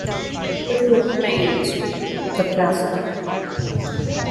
Little remains of the castle.